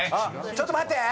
ちょっと待って！